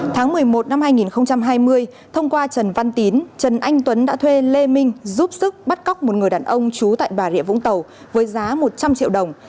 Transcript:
tháng một mươi một năm hai nghìn hai mươi thông qua trần văn tín trần anh tuấn đã thuê lê minh giúp sức bắt cóc một người đàn ông trú tại bà rịa vũng tàu với giá một trăm linh triệu đồng